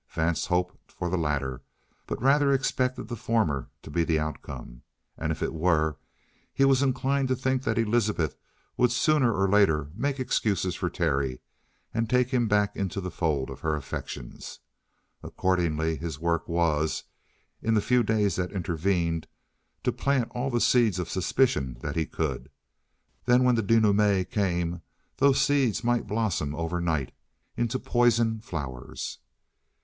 Vance hoped for the latter, but rather expected the former to be the outcome, and if it were, he was inclined to think that Elizabeth would sooner or later make excuses for Terry and take him back into the fold of her affections. Accordingly, his work was, in the few days that intervened, to plant all the seeds of suspicion that he could. Then, when the denouement came, those seeds might blossom overnight into poison flowers.